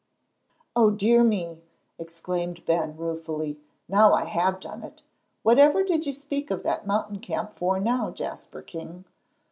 "O dear me!" exclaimed Ben, ruefully. "Now I have done it! Whatever did you speak of that mountain camp for now, Jasper King?"